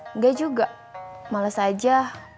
enggak juga males aja